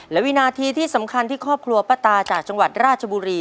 และวินาทีที่สำคัญที่ครอบครัวป้าตาจากจังหวัดราชบุรี